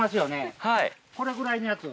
これぐらいのやつ。